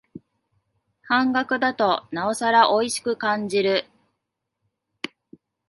半額だとなおさらおいしく感じる